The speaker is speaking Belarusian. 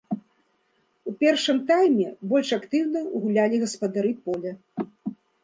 У першым тайме больш актыўна гулялі гаспадары поля.